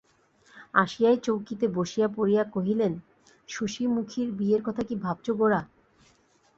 আসিয়াই চৌকিতে বসিয়া পড়িয়া কহিলেন, শশিমুখীর বিয়ের কথা কী ভাবছ গোরা?